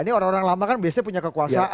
ini orang orang lama kan biasanya punya kekuasaan